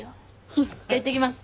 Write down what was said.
じゃあいってきます。